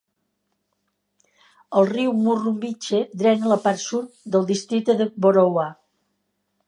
El riu Murrumbidgee drena la part sud del districte de Boorowa.